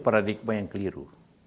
ada stigma yang keliru